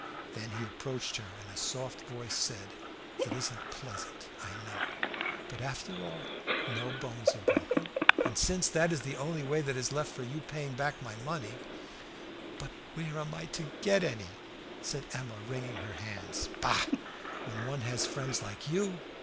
Then he approached her, and in a soft voice said "It isn't pleasant, I know; but, after all, no bones are broken, and, since that is the only way that is left for you paying back my money " "But where am I to get any?" said Emma, wringing her hands. "Bah! when one has friends like you!"